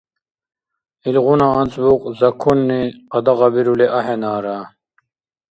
Илгъуна анцӀбукь законни къадагъабирули ахӀенара?